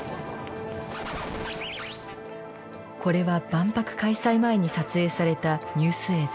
これは万博開催前に撮影されたニュース映像。